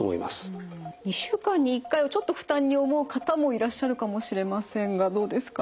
２週間に１回をちょっと負担に思う方もいらっしゃるかもしれませんがどうですかね？